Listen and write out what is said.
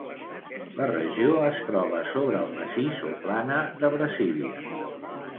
La regió es troba sobre el massís o plana de Brasília.